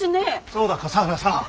そうだ笠原さん。